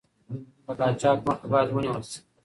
د قاچاق مخه باید ونیول شي.